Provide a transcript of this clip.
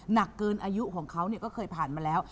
หนักเกินอายุของเขาก็เคยผ่านมาแล้ว